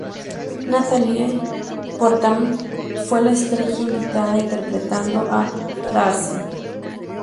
Natalie Portman fue la estrella invitada, interpretando a Darcy.